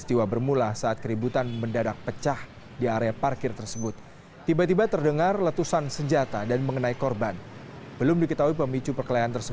tidak ada yang mau berpikir